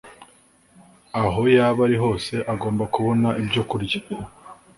aho yaba ari hose agomba kubona ibyokurya